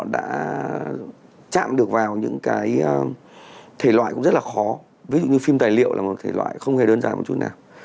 đã chạm được vào những cái thể loại cũng rất là khó ví dụ như phim tài liệu là một thể loại không hề đơn giản một chút nào